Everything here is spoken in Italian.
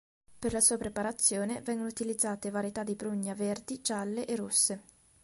Per la sua preparazione vengono utilizzate varietà di prugna verdi, gialle e rosse.